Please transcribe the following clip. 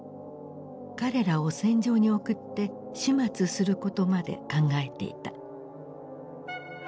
彼らを戦場に送って始末することまで考えていた。